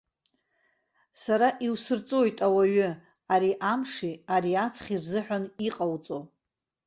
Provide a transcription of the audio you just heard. Сара иусырҵоит, ауаҩы, ари амши ари аҵхи рзыҳәан иҟауҵо.